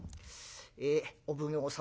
「お奉行様